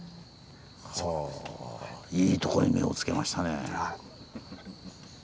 はぁいいとこに目をつけましたね。